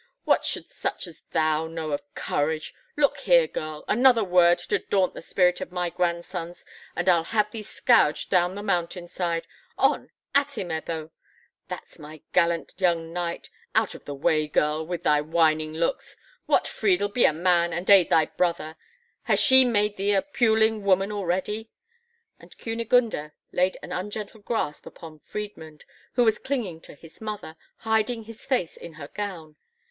"What should such as thou know of courage? Look here, girl: another word to daunt the spirit of my grandsons, and I'll have thee scourged down the mountain side! On! At him, Ebbo! That's my gallant young knight! Out of the way, girl, with thy whining looks! What, Friedel, be a man, and aid thy brother! Has she made thee a puling woman already?" And Kunigunde laid an ungentle grasp upon Friedmund, who was clinging to his mother, hiding his face in her gown.